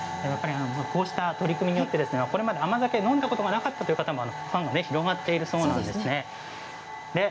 こうした取り組みによってこれまで甘酒を飲んだことがないというファンも広がっているんです。